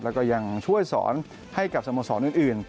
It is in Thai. แล้วก็ยังช่วยสอนให้กับสโมสรอื่น